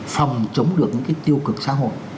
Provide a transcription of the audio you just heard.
phòng chống được những cái tiêu cực xã hội